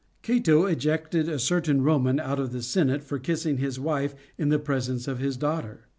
Cato ejected a certain Roman out of the senate for kissing his wife in the presence of his daughter.